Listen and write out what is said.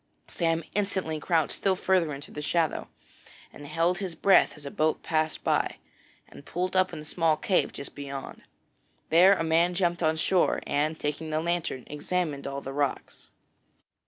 Sam instantly crouched still farther into the shadow, and held his breath as a boat passed by, and pulled up in a small cave just beyond. Then a man jumped on shore, and, taking the lantern, examined all the rocks.